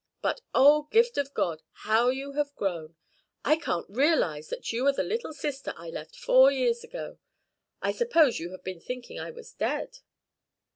But, oh, Gift o' God, how you have grown! I can't realize that you are the little sister I left four years ago. I suppose you have been thinking I was dead?"